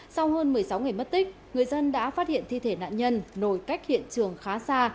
sau hơn một mươi sáu ngày mất tích người dân đã phát hiện thi thể nạn nhân nổi cách hiện trường khá xa